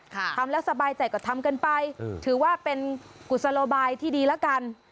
ทำแล้วสบายใจก็ทำกันไปถือว่าเป็นกุศโลบายที่ดีแล้วกัน